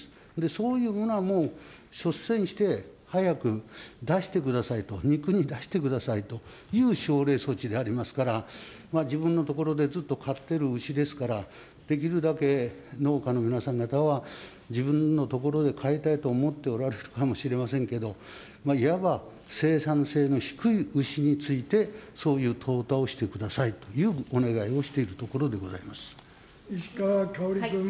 そういうものはもう、率先して早く出してくださいと、肉に出してくださいという奨励措置でありますから、自分のところでずっと飼っている牛ですから、できるだけ農家の皆さん方は、自分のところで飼いたいと思っておられるかもしれませんけど、いわば生産性の低い牛について、そういうとうたをしてくださいというお願いをしているところでご石川香織君。